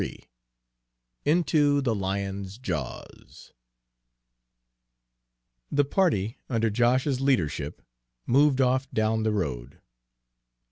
XXXIII INTO THE LION'S JAWS The party under Josh's leadership moved off down the road.